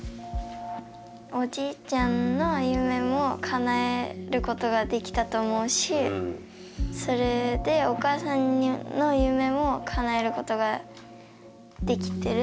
おじいちゃんの夢もかなえることができたと思うしそれでお母さんの夢もかなえることができてる？